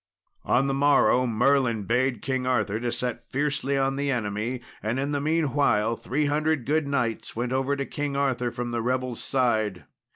On the morrow Merlin bade King Arthur to set fiercely on the enemy; and in the meanwhile three hundred good knights went over to King Arthur from the rebels' side.